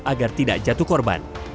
agar tidak jatuh korban